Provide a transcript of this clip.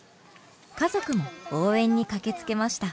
家族も応援に駆け付けました。